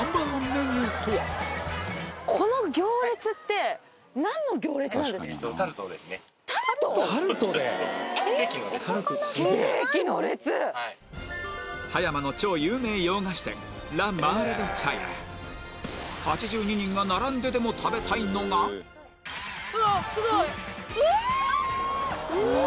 ケーキの列はい葉山の超有名洋菓子店８２人が並んででも食べたいのがうわ